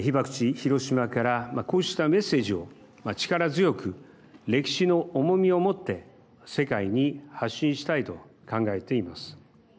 広島からこうしたメッセージを力強く歴史の重みをもって世界に発信したいと考えています。